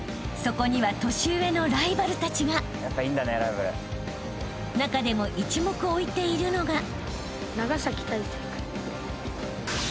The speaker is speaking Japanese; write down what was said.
［そこには年上のライバルたちが］［中でも一目置いているのが］